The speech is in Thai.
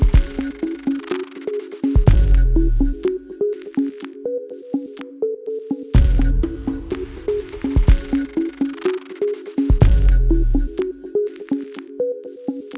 โปรดติดตามตอนต่อไป